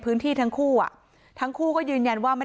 ด้วยเหตุผลอะไรก็แล้วแต่ก็ทำร้ายกันแบบนี้ไม่ได้